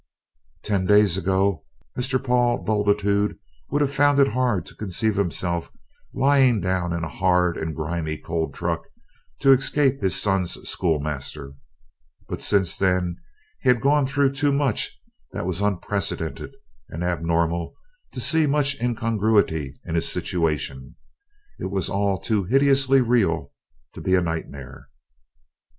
Ten days ago Mr. Paul Bultitude would have found it hard to conceive himself lying down in a hard and grimy coal truck to escape his son's schoolmaster, but since then he had gone through too much that was unprecedented and abnormal to see much incongruity in his situation it was all too hideously real to be a nightmare.